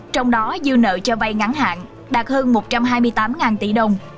trong đó dư nợ cho vay ngắn hạn đạt hơn một trăm hai mươi tám tỷ đồng